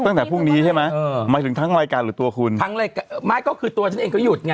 ตั้งแต่พรุ่งนี้ใช่ไหมเออหมายถึงทั้งรายการหรือตัวคุณทั้งรายการไม่ก็คือตัวฉันเองก็หยุดไง